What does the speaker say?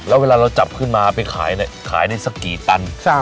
แล้วเวลาเราจับขึ้นมาไปขายได้สักกี่ตัน